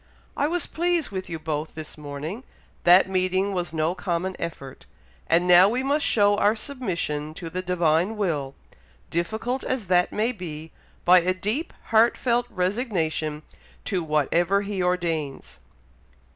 I was pleased with you both this morning that meeting was no common effort, and now we must show our submission to the Divine will, difficult as that may be, by a deep, heartfelt resignation to whatever He ordains."